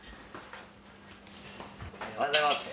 おはようございます。